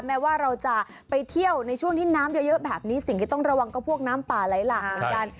แม้ว่าเราจะไปเที่ยวในช่วงที่น้ำเยอะแบบนี้สิ่งที่ต้องระวังก็พวกน้ำป่าไหลหลากเหมือนกัน